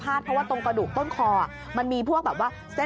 เพราะว่าตรงกระดูกต้นคอมันมีพวกแบบว่าเส้น